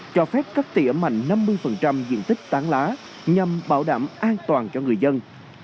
cho phép cắt tỉa mạnh năm mươi diện tích tán lá nhằm bảo đảm an toàn cho người dân